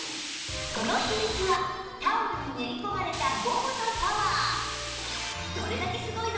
その秘密はタオルに練り込まれたゴムのパワー！